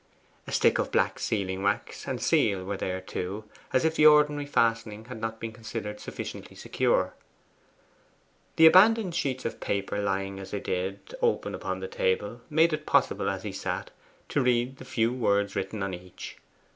A stick of black sealing wax and seal were there too, as if the ordinary fastening had not been considered sufficiently secure. The abandoned sheets of paper lying as they did open upon the table, made it possible, as he sat, to read the few words written on each.